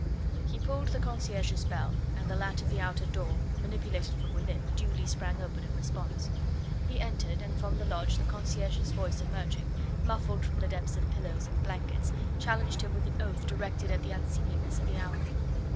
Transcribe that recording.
He pulled the concierge's bell, and the latch of the outer door, manipulated from within, duly sprang open in response. He entered, and from the lodge the concierge's voice emerging, muffled from the depths of pillows and blankets, challenged him with an oath directed at the unseemliness of the hour.